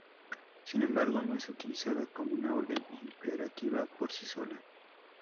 Sin embargo no es utilizada como una orden imperativa por sí sola.